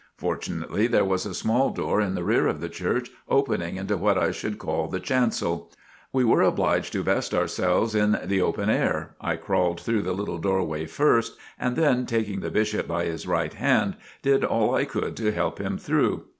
Fortunately there was a small door in the rear of the Church, opening into what I should call the Chancel. We were obliged to vest ourselves in the open air. I crawled through the little doorway first, and then taking the Bishop by his right hand, did all I could to help him through.